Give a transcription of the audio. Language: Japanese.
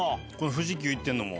富士急行ってるのも。